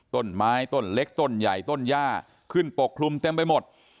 ต้นไม้ต้นเล็กต้นใหญ่ต้นย่าขึ้นปกคลุมเต็มไปหมด